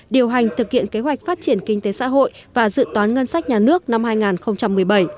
điều hành thực hiện kế hoạch phát triển kinh tế xã hội và dự toán ngân sách nhà nước năm hai nghìn một mươi bảy